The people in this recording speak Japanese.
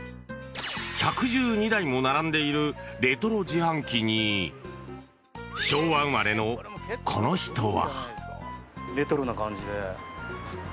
１１２台も並んでいるレトロ自販機に昭和生まれのこの人は。